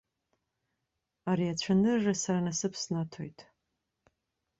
Ари ацәанырра сара насыԥ снаҭоит.